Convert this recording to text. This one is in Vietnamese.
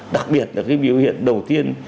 đặc biệt là cái biểu hiện đầu tiên